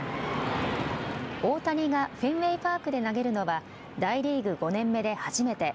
大谷がフェンウェイ・パークで投げるのは大リーグ５年目で初めて。